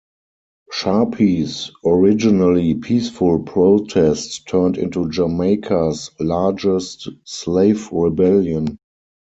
Sharpe's originally peaceful protest turned into Jamaica's largest slave rebellion.